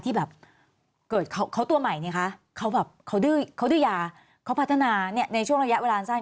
ที่แบบเกิดเขาตัวใหม่นี่คะเขาดื้อยาเขาพัฒนาในช่วงระยะเวลาอันสั้น